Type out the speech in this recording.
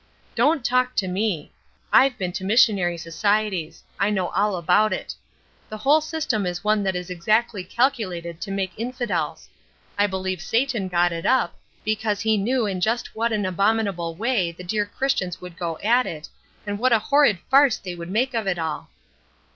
Don't talk to me! I've been to missionary societies; I know all about it. The whole system is one that is exactly calculated to make infidels. I believe Satan got it up, because he knew in just what an abominable way the dear Christians would go at it, and what a horrid farce they would make of it all."